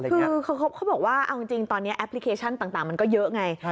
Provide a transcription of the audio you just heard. คือเขาบอกว่าเอาจริงตอนนี้แอปพลิเคชันต่างมันก็เยอะไง